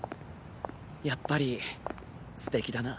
やっぱりすてきだな。